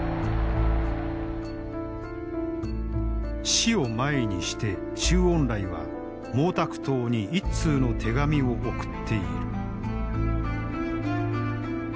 死を前にして周恩来は毛沢東に一通の手紙を送っている。